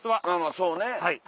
そうね。